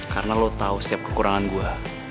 karena lo tau setiap kekurangan gue